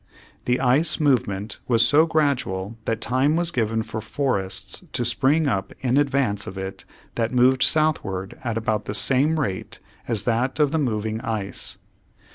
The ice movement was so gradual that time was given for forests to spring up in advance of it that moved southward at about the same rate as that of the moving ice.